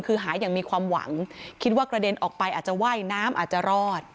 คือหาอย่างมีความหวังคิดว่ากระเด็นออกไปอาจจะว่ายน้ำอาจจะรอด